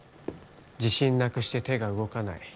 自信なくして手が動かない。